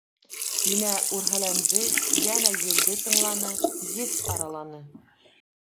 Инә үрһәләнде, йәнә елде тыңланы, еҫ араланы.